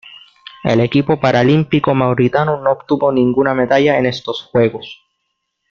El equipo paralímpico mauritano no obtuvo ninguna medalla en estos Juegos.